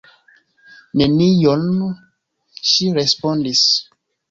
"Nenion," ŝi respondis.